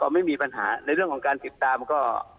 ไม่มีปัญหาในเรื่องของการติดตามก็